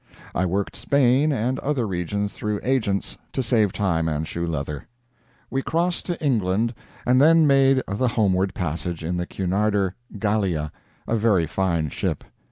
I worked Spain and other regions through agents to save time and shoe leather. We crossed to England, and then made the homeward passage in the Cunarder GALLIA, a very fine ship.